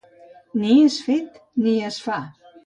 Ni és fet ni es fa.